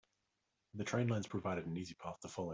The train lines provided an easy path to follow.